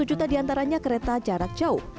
tiga satu juta diantaranya kereta jarak jauh